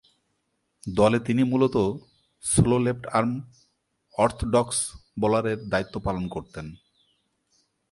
দলে তিনি মূলতঃ স্লো লেফট-আর্ম অর্থোডক্স বোলারের দায়িত্ব পালন করতেন।